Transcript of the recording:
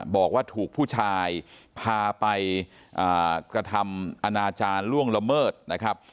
บอกว่าถูกผู้ชายพาไปกระทำอนาจารย์ล่วงละเมิดนะครับ